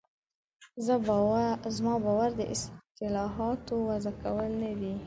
زما باور د اصطلاحاتو وضع کول نه دي.